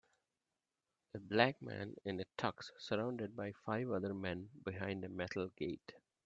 A black man in a tux surrounded by five other men behind a metal gate.